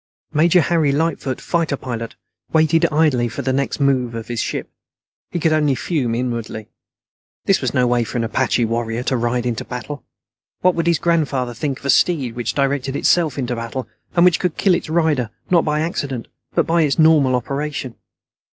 Major Harry Lightfoot, fighter pilot, waited idly for the next move of his ship. He could only fume inwardly. This was no way for an Apache warrior to ride into battle. What would his grandfather think of a steed which directed itself into battle and which could kill its rider, not by accident, but in its normal operation?